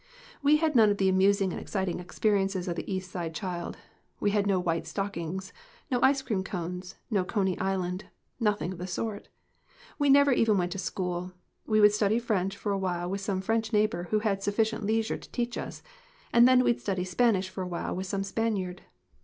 We had none of the amusing and exciting experiences of the East Side child we had no white stockings, no 29 LITERATURE IN THE MAKING ice cream cones, no Coney Island, nothing of the sort. 1 'We never even went to school. We would study French for a while with some French neigh bor who had sufficient leisure to teach us, and then we'd study Spanish for a while with some Spaniard.